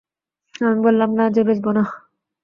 আমি বললাম না যে বেচব না।